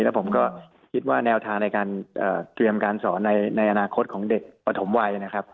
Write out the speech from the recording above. แล้วผมก็คิดว่าแนวทางในการเตรียมการสอนในอนาคตของเด็กปฐมวัยนะครับ